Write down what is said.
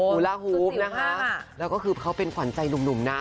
ลาฮูฟนะคะแล้วก็คือเขาเป็นขวัญใจหนุ่มนะ